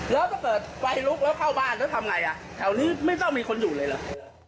แล้วถ้าเกิดไฟลุกแล้วเข้าบ้านแล้วทำไงอ่ะแถวนี้ไม่ต้องมีคนอยู่เลยเหรอ